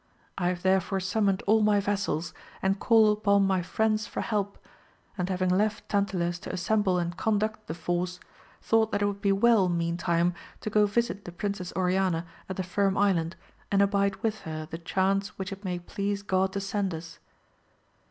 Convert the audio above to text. I have there fore summoned all my vassals and called upon my friends for help, and having left Tantiles to assemble and conduct the force, thought that it would be well meantime to go visit the Princess Oriana at the Firm Island, and abide with her the chance which it may please God to send us.